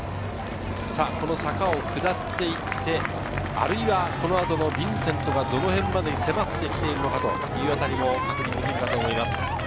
坂を下っていって、あるいは、この後のヴィンセントがどの辺まで迫ってきているのか確認できると思います。